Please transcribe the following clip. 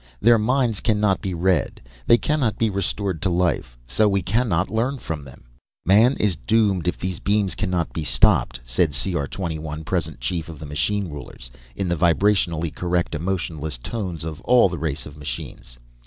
Their minds cannot be read, they cannot be restored to life, so we cannot learn from them." "Man is doomed, if these beams cannot be stopped," said C R 21, present chief of the machine rulers, in the vibrationally correct, emotionless tones of all the race of machines.